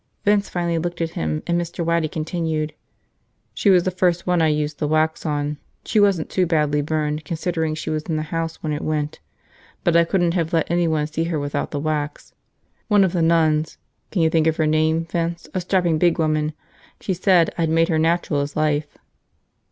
Vince finally looked at him, and Mr. Waddy continued. "She was the first one I used the wax on. She wasn't too badly burned, considering she was in the house when it went. But I couldn't have let anyone see her without the wax. One of the nuns – can you think of her name, Vince, a strapping big woman – she said I'd made her natural as life."